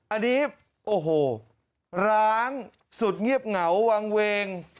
อันนี้โอ้โหร้างสุดเงียบเหงาวางเวง